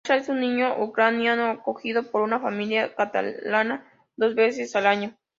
Sasha es un niño ucraniano acogido por una familia catalana dos veces al año.